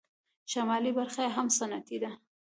شمالي برخه یې هم صنعتي ده.